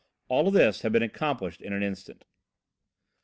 All this had been accomplished in an instant.